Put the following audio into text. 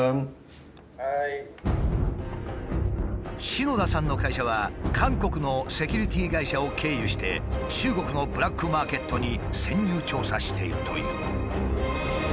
篠田さんの会社は韓国のセキュリティー会社を経由して中国のブラックマーケットに潜入調査しているという。